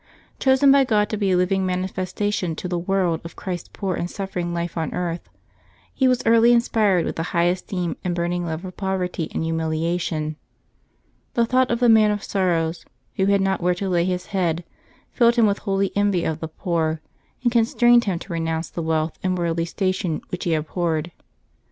Chosen by God to be a living manifestation to the world of Christ's poor and suffering life on earth, he was early inspired with a high esteem and burning love of poverty and humiliation. The thought of the Man of Sorrows, Who had not where to lay His head, filled him with holy envy of the poor, and constrained him to renounce the wealth and worldly station which he ab horred.